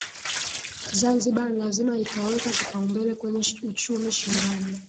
Zanzibar lazima ikaweka kipaumbele kwenye uchumi shindani